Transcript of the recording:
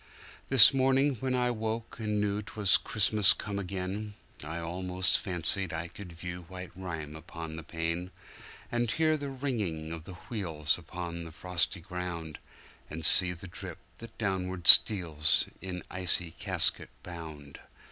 This morning when I woke and knew 'twas Christmas come again,I almost fancied I could view white rime upon the pane, And hear the ringing of the wheels upon the frosty ground, And see the drip that downward steals in icy casket bound.